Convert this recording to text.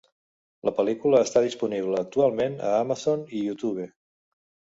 La pel·lícula està disponible actualment a Amazon i Youtube.